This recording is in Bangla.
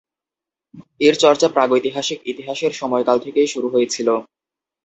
এর চর্চা প্রাগৈতিহাসিক ইতিহাসের সময়কাল থেকেই শুরু হয়েছিল।